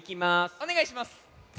おねがいします。